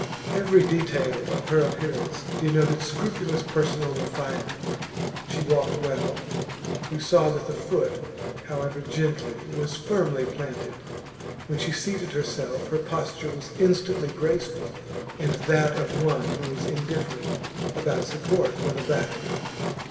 Every detail of her appearance denoted scrupulous personal refinement. She walked well; you saw that the foot, however gently, was firmly planted. When she seated herself her posture was instantly graceful, and that of one who is indifferent about support for the back.